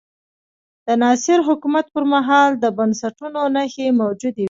د ناصر حکومت پر مهال د بنسټونو نښې موجودې وې.